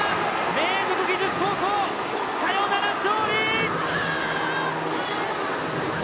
明徳義塾高校、サヨナラ勝利！